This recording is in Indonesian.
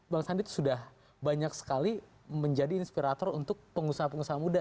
bang sandi itu sudah banyak sekali menjadi inspirator untuk pengusaha pengusaha muda